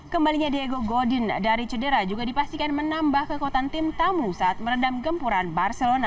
kembalinya diego godin dari cedera juga dipastikan menambah kekuatan tim tamu saat meredam gempuran barcelona